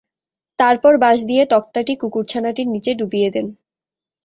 তারপর বাঁশ দিয়ে তক্তাটি কুকুরছানাটির নিচে ডুবিয়ে দেন।